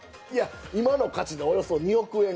今の価値でおよそ２億円。